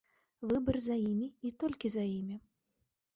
Выбар за імі і толькі за імі.